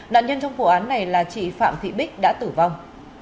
nạn nhân trong vụ án này là chị phạm thị bích đã tử vong